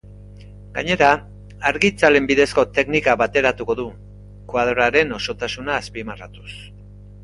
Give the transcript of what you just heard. Gainera, argi- itzalen bidezko teknika bateratuko du, koadroaren osotasuna azpimarratuz.